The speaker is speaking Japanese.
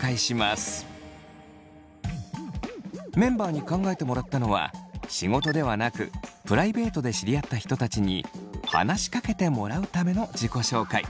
メンバーに考えてもらったのは仕事ではなくプライベートで知り合った人たちに話しかけてもらうための自己紹介。